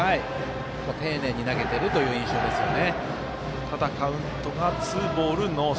丁寧に投げてるという印象ですね。